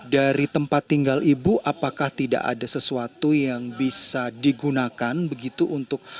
dari tempat tinggal ibu apakah tidak ada sesuatu yang bisa digunakan begitu untuk